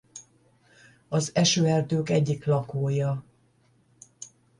Az esőerdők egyik lakója.